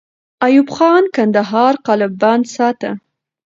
ایوب خان کندهار قلابند ساته.